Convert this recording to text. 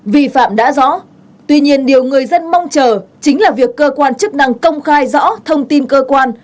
vi phạm đã rõ tuy nhiên điều người dân mong chờ chính là việc cơ quan chức năng công khai rõ thông tin cơ quan